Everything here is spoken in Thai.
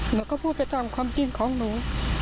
หนูก็พูดไปตามความจริงของหนู